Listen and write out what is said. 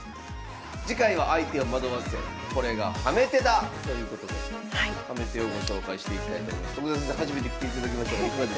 次回は「相手を惑わせ⁉これがハメ手だ」ということでハメ手をご紹介していきたいと思います。